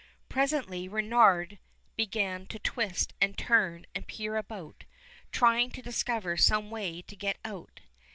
Presently Reynard began to twist and turn and peer about, trying to discover some way to get out.